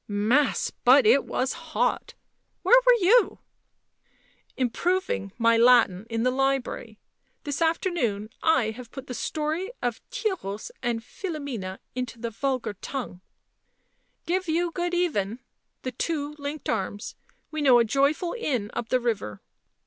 Mass; but it was hot ! Where were you ?"" Improving my Latin in the library. This after noon I have put the story of Tereus and Philomena into the vulgar tongue." " Give you good even." The two linked arms. " We know a joyful inn up the river."